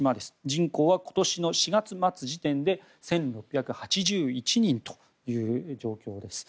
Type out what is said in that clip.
人口は今年の４月末時点で１６８１人ということです。